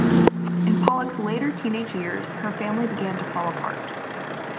In Pollock's later teenage years her family began to fall apart.